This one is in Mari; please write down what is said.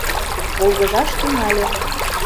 Волгыжаш тӱҥале.